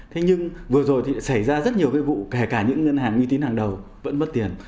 thế nhưng vừa rồi thì xảy ra rất nhiều cái vụ kể cả những ngân hàng uy tín hàng đầu vẫn mất tiền